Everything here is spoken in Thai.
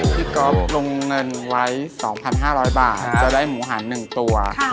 พี่ก็ลงเงินไว้สองพันห้าร้อยบาทจะได้หมูหันหนึ่งตัว